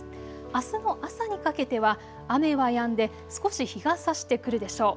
あすの朝にかけては雨はやんで少し日がさしてくるでしょう。